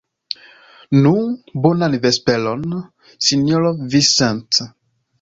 Nu, bonan vesperon, sinjoro Vincent.